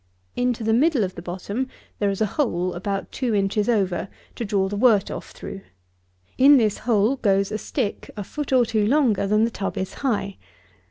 Into the middle of the bottom there is a hole about two inches over, to draw the wort off through. In this hole goes a stick, a foot or two longer than the tub is high.